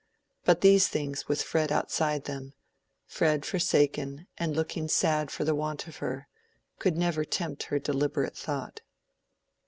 But these things with Fred outside them, Fred forsaken and looking sad for the want of her, could never tempt her deliberate thought.